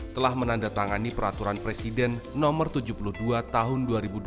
telah menandatangani peraturan presiden nomor tujuh puluh dua tahun dua ribu dua puluh